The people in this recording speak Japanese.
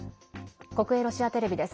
国営ロシアテレビです。